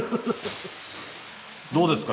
どうですか？